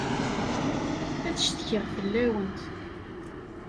Ad ccetkiɣ fell-awent.